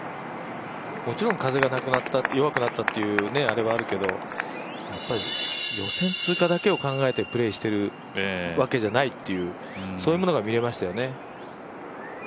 もちろん風が弱くなったというあれはあるけど予選通過だけを考えてプレーしているわけじゃないというそういうものが見れましたよね。